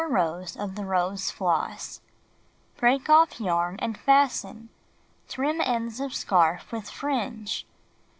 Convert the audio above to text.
Make 4 rows of the rose floss. Break off yarn and fasten. Trim ends of scarf with fringe.